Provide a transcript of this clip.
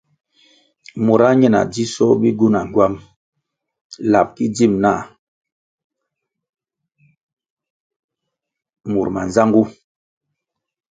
Mura ñina dzisoh bigywuna ngywam lab ki dzim na ki nah mur manzangu.